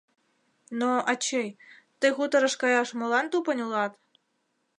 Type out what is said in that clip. Но, ачый, тый хуторыш каяш молан тупынь улат?